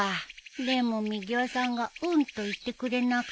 でもみぎわさんが「うん」と言ってくれなくて。